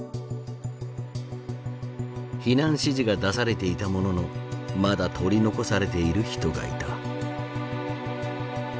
避難指示が出されていたもののまだ取り残されている人がいた。